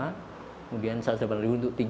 kemudian satu ratus delapan puluh untuk